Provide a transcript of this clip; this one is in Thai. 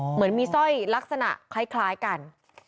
เหมือนมีสร้อยลักษณะคล้ายกัน